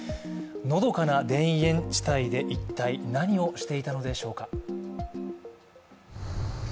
のどかな田園地帯で一体何をしていたのでしょうか。